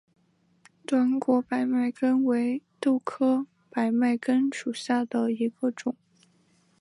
短果百脉根为豆科百脉根属下的一个种。